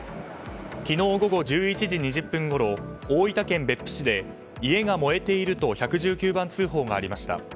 昨日午後１１時２０分ごろ大分県別府市で家が燃えていると１１９番通報がありました。